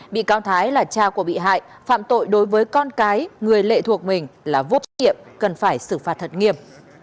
bị cáo thái là cha của bị hại phạm tội đối với con cái người lệ thuộc mình là vô triệu cần phải xử phạt thật nghiêm